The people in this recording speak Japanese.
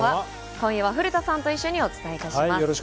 今夜は古田さんと一緒にお伝えします。